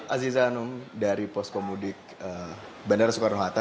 aziza hanum dari poskomudik bandara soekarno hatta